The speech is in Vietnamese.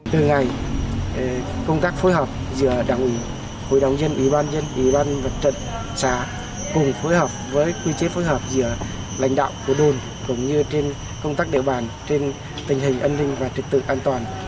từ ngày công tác phối hợp giữa đảng ủy hội đồng dân ủy ban dân ủy ban mặt trận xã cùng phối hợp với quy chế phối hợp giữa lãnh đạo của đồn cũng như trên công tác địa bàn trên tình hình an ninh và trật tự an toàn